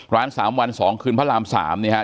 ๓วัน๒คืนพระราม๓เนี่ยครับ